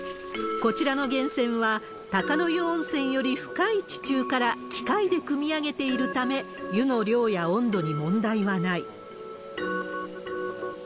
こちらの源泉は、鷹の湯温泉より深い地中から機械でくみ上げているため、湯の量や温度に問題はない。